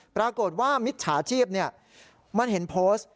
ปรากฏว่ามิจฉาชีพมันเห็นโพสต์